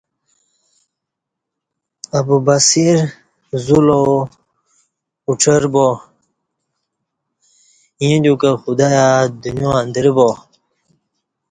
ابوبصیر ذو لاؤ اوڄر با ایں دیوکں خدایا دنیا اندرہ با